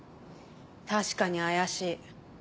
確かに怪しい。